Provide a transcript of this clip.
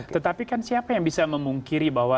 tetapi kan siapa yang bisa memungkiri bahwa